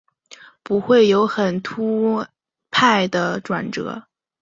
不会有很突兀的转折